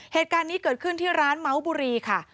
เหตุการณ์นี้เกิดขึ้นที่ร้านเมาส์บุรีค่ะ